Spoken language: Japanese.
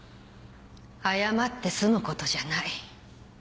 謝ってすむことじゃない。